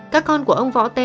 các con của ông võ t